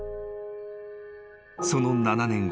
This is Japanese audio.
［その７年後］